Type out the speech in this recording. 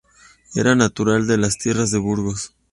Era natural de las tierras de Burgos.